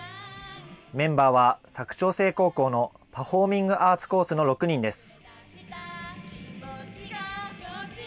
メンバーは佐久長聖高校のパフォーミングアーツコースの６人です。